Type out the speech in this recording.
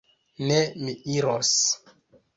Ne; mi iros.